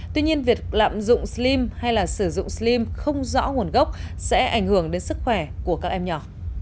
tuy nhiên việc lạm dụng slim hay là sử dụng slim không rõ nguồn gốc sẽ ảnh hưởng đến sức khỏe của các em nhỏ